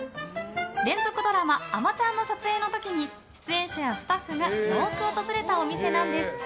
連続ドラマ「あまちゃん」の撮影の時に出演者やスタッフがよく訪れたお店なんです。